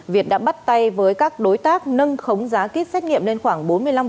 việt đã bắt tay với các đối tác nâng khống giá kýt xét nghiệm lên khoảng bốn mươi năm